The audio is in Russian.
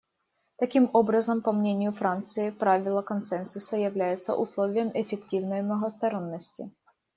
Таким образом, по мнению Франции, правило консенсуса является условием эффективной многосторонности.